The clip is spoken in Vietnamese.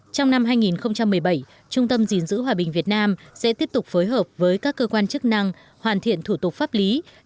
trong năm hai nghìn một mươi bảy trung tâm gìn giữ hòa bình việt nam sẽ tiếp tục phối hợp với các cơ quan chức năng hoàn thiện thủ tục pháp lý